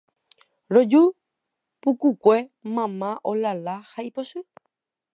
Roju pukukue mama olala ha ipochy